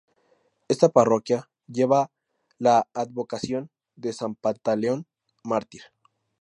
Esta parroquia lleva la advocación de San Pantaleón Mártir.